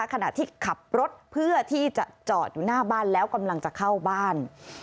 ขณะที่ขับรถเพื่อที่จะจอดอยู่หน้าบ้านแล้วกำลังจะเข้าบ้าน